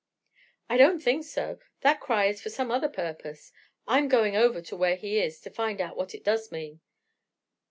"I don't think so. That cry is for some other purpose. I'm going over where he is to find out what it does mean.